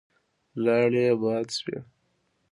لاړې يې باد شوې.